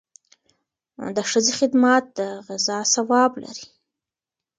د ښځې خدمت د غزا ثواب لري.